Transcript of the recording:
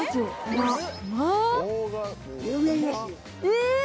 え！